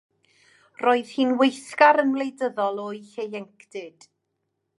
Roedd hi'n weithgar yn wleidyddol o'i hieuenctid.